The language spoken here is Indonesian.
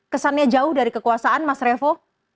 kesannya jauh dari kekuasaan mas revo